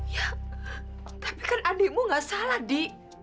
ya tapi kan adikmu gak salah di